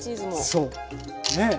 そうねえ。